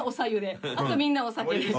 あとみんなお酒で。